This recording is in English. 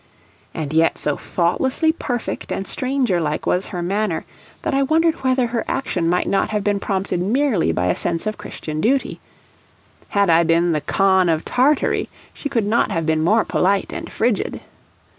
And yet so faultlessly perfect and stranger like was her manner that I wondered whether her action might not have been prompted merely by a sense of Christian duty; had I been the Khan of Tartary she could not have been more polite and frigid.